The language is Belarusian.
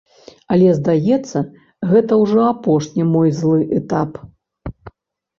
Але здаецца, гэта ўжо апошні мой злы этап.